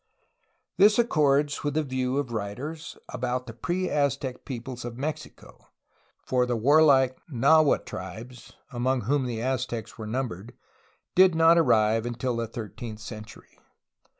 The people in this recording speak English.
This accords with the view of writers about the pre Aztec peoples of Mexico, for the warlike Nahua tribes (among whom the Aztecs were numbered) did not arrive until the thirteenth century.